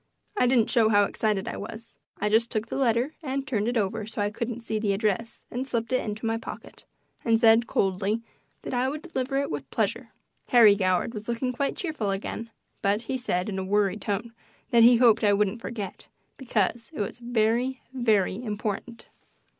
I didn't show how excited I was; I just took the letter and turned it over so I couldn't see the address and slipped it into my pocket, and said, coldly, that I would deliver it with pleasure. Harry Goward was looking quite cheerful again, but he said, in a worried tone, that he hoped I wouldn't forget, because it was very, very important.